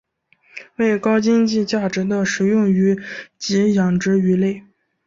为高经济价值的食用鱼及养殖鱼类。